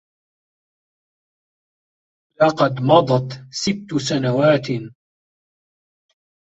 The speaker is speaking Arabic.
لقد مضت ستّ سنوات.